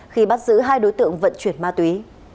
khi bắt giữ hai đối tượng vận chuyển ma túy